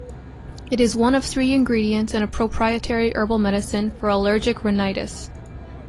It is one of three ingredients in a proprietary herbal medicine for allergic rhinitis.